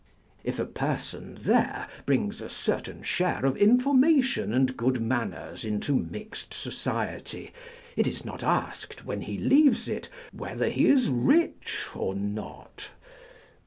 If a person there brings a certain share of information and good manners into mixed society, it is not asked, when he leaves it, whether he is rich or not.